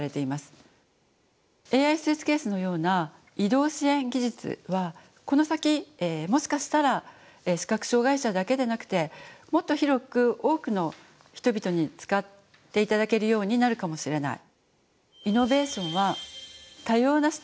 ＡＩスーツケースのような移動支援技術はこの先もしかしたら視覚障害者だけでなくてもっと広く多くの人々に使って頂けるようになるかもしれない。